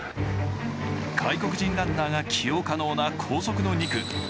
外国人ランナーが起用可能な高速の２区。